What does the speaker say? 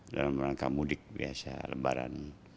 dalam rangka mudik biasa lebaran